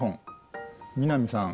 南さん